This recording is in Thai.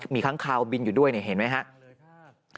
มีครั้งคลาวะบินอยู่ด้วยเห็นไหมครับ